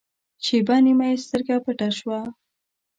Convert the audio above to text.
شېبه نیمه یې سترګه پټه شوه.